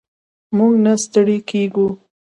موږ نه ستړي کیږو.